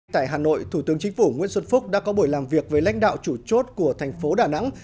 tại hà nội thủ tướng chính phủ nguyễn xuân phúc đã có buổi làm việc với lãnh đạo chủ chốt của thành phố đà nẵng